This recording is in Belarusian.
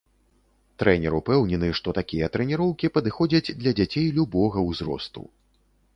Трэнер упэўнены, што такія трэніроўкі падыходзяць для дзяцей любога ўзросту.